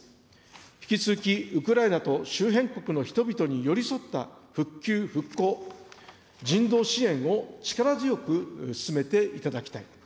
引き続きウクライナと周辺国の人々に寄り添った復旧・復興、人道支援を力強く進めていただきたい。